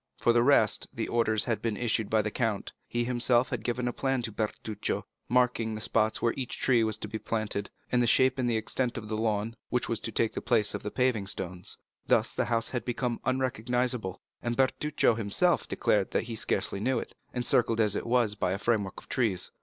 For the rest, the orders had been issued by the count; he himself had given a plan to Bertuccio, marking the spot where each tree was to be planted, and the shape and extent of the lawn which was to take the place of the paving stones. Thus the house had become unrecognizable, and Bertuccio himself declared that he scarcely knew it, encircled as it was by a framework of trees.